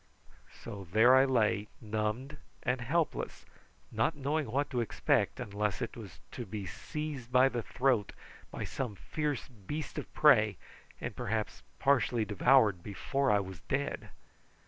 So there I lay numbed and helpless, not knowing what to expect, unless it was to be seized by the throat by some fierce beast of prey, and perhaps partly devoured before I was dead.